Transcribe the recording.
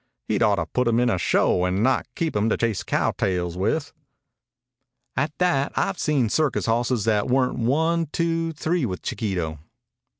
"He'd ought to put him in a show and not keep him to chase cow tails with." "At that, I've seen circus hosses that weren't one two three with Chiquito.